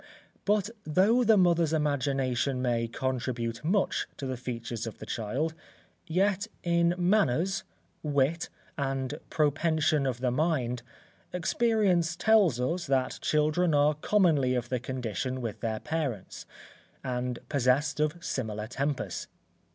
But though the mother's imagination may contribute much to the features of the child, yet, in manners, wit, and propension of the mind, experience tells us, that children are commonly of the condition with their parents, and possessed of similar tempers.